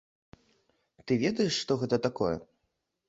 Ты ведаеш, што гэта такое?